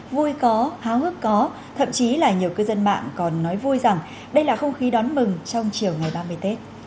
vui có háo hức có thậm chí là nhiều cư dân mạng còn nói vui rằng đây là không khí đón mừng trong chiều ngày ba mươi tết